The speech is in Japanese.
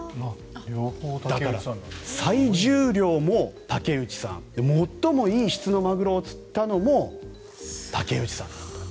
だから最重量も竹内さん最もいい質のマグロを釣ったのも竹内さんだったと。